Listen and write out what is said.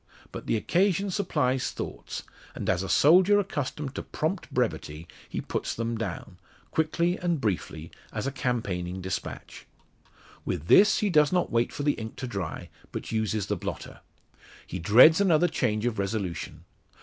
But the occasion supplies thoughts; and as a soldier accustomed to prompt brevity he puts them down quickly and briefly as a campaigning despatch. With this, he does not wait for the ink to dry, but uses the blotter. He dreads another change of resolution.